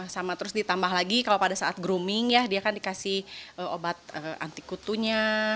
sama terus ditambah lagi kalau pada saat grooming ya dia kan dikasih obat anti kutunya